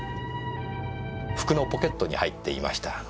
服のポケットに入っていました。